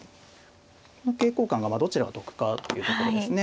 この桂交換がどちらが得かっていうところですね。